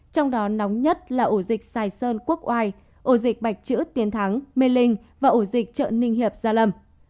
trong đó nóng nhất là ổ dịch sài sơn quốc oai ổ dịch bạch chữ tiến thắng mê linh và ổ dịch chợ ninh hiệp gia lâm